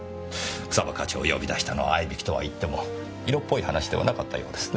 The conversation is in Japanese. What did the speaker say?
草葉課長を呼び出したのは逢い引きとはいっても色っぽい話ではなかったようですね。